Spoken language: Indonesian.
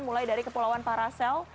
mulai dari kepulauan paracel